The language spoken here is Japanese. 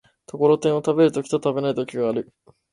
ところてんを食べる時と食べない時がある。